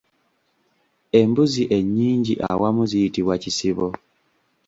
Embuzi ennyingi awamu ziyitibwa kisibo.